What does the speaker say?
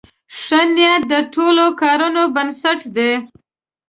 ښه نیت د ټولو کارونو بنسټ دی.